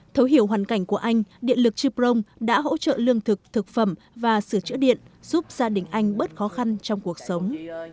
thấu hiểu hoàn cảnh của anh điện lực chư prong đã hỗ trợ lương thực thực phẩm và sửa chữa điện giúp gia đình anh bớt khó khăn trong cuộc sống